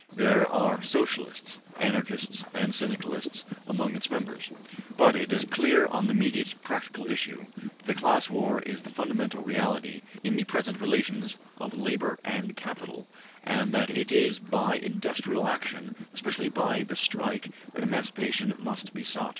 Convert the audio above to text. There are Socialists, Anarchists and Syndicalists among its members. But it is clear on the immediate practical issue, that the class war is the fundamental reality in the present relations of labor and capital, and that it is by industrial action, especially by the strike, that emancipation must be sought.